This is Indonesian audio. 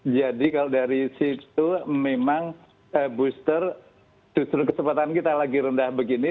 jadi kalau dari situ memang booster justru kesempatan kita lagi rendah begini